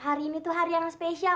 hari ini tuh hari yang spesial